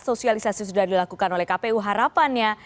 sosialisasi sudah dilakukan oleh kpu harapannya